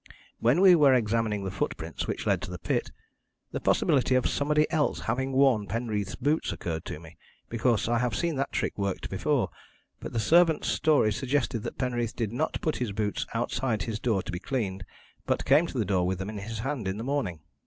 When we were examining the footprints which led to the pit, the possibility of somebody else having worn Penreath's boots occurred to me, because I have seen that trick worked before, but the servant's story suggested that Penreath did not put his boots outside his door to be cleaned, but came to the door with them in his hand in the morning.